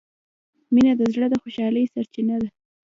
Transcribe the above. مینه د زړه د خوشحالۍ سرچینه ده.